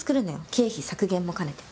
経費削減も兼ねて。